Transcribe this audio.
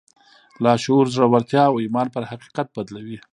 لاشعور زړورتيا او ايمان پر حقيقت بدلوي.